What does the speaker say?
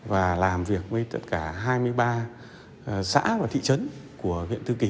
và làm việc với tất cả hai mươi ba xã và thị trấn của huyện thư kỳ